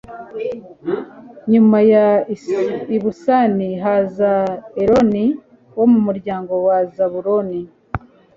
nyuma ya ibusani, haza eloni wo mu muryango wa zabuloni